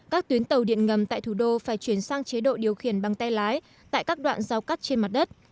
các tuyến tàu điện ngầm tại thủ đô phải chuyển sang chế độ điều khiển bằng tay lái tại các đoạn giao cắt trên mặt đất